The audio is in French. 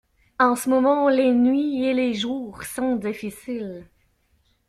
En ce moment les nuits, et les jours, sont difficiles.